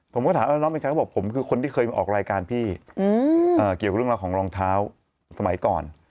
ผมก็ถามว่าน้องเป็นใครก็บอกผมคือคนที่เคยมาออกรายการพี่เกี่ยวกับเรื่องราวของรองเท้าสมัยก่อน